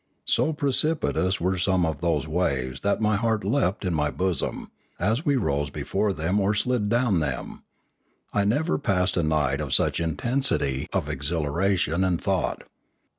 So precip itous were some of those waves that my heart leapt in my bosom, as we rose before them or slid down them. I never passed a night of such intensity of exhilaration and thought.